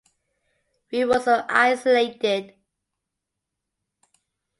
We were so isolated.